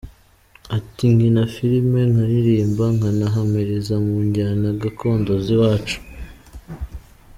Ati “ Nkina film, nkaririmba, nkanahamiriza mu njyana gakondo z’iwacu.